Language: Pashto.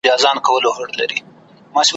د سر خیرات به مي پانوس ته وي در وړی وزر `